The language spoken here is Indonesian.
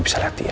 bisa lihat dia